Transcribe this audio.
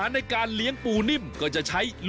วันนี้พาลงใต้สุดไปดูวิธีของชาวเล่น